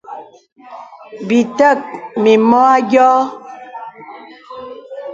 Bì tək mìmɔ a yɔ̄ɔ̄.